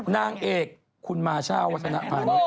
นางเอกคุณมาช่าวัฒนภาณิชย